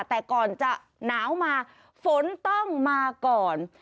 แต่ก่อนจะหนาวมาฝนต้องมาก่อน